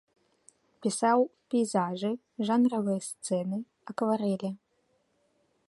Пісаў пейзажы, жанравыя сцэны, акварэлі.